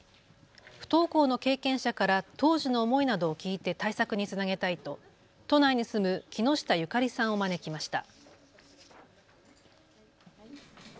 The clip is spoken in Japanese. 不登校の経験者から当時の思いなどを聞いて対策につなげたいと都内に住む木下結加里さんを招きました。